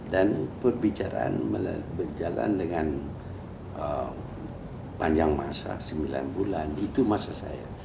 dan perbicaraan berjalan dengan panjang masa sembilan bulan itu masa saya